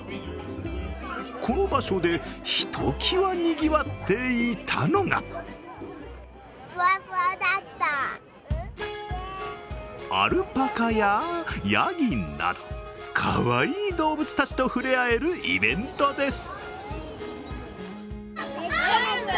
この場所で、ひときわにぎわっていたのがアルパカややぎなど、かわいい動物たちとふれあえるイベントです。